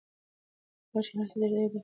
هغه چي هر څه دردېدی دی خوشحالېدی